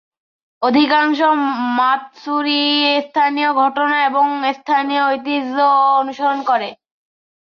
অধিকাংশ "মাতসুরি" স্থানীয় ঘটনা এবং স্থানীয় ঐতিহ্য অনুসরণ করে।